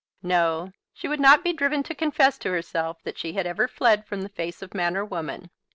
No; she would not be driven to confess to herself that she had ever fled from the face of man or woman.